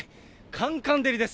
カンカン照りです。